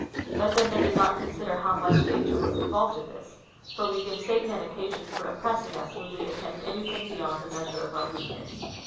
But then, they did not consider how much danger was in volved in this, for we give Satan an occasion for oppressing us, when we attempt anything beyond the measure of our weakness.